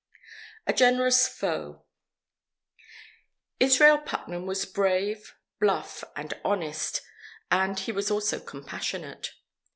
A GENEROUS FOE Israel Putnam was brave, bluff, and honest, and he was also compassionate.